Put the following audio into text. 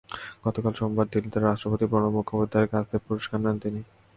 গতকাল সোমবার দিল্লিতে রাষ্ট্রপতি প্রণব মুখোপাধ্যায়ের কাছ থেকে পুরস্কার নেন তিনি।